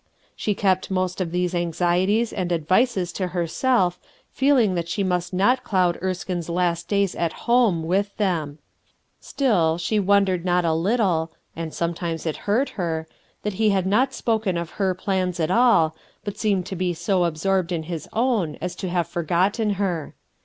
She kept most of these anxieties and advices to her self, feeling that she must not cloud Erskine 's last days at home with them. Still, she won 34 RUTH ERSKINE'S SON dcrccl not a little, —and sometimes it hurt her, — that he had not spoken of her plans at all, but seemed to be so absorbed in his own as to have forgotten her.